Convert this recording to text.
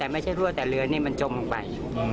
แต่ไม่ใช่รั่วแต่เรือนี่มันจมลงไป